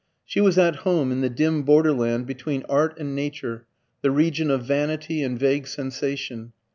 She was at home in the dim borderland between art and nature, the region of vanity and vague sensation.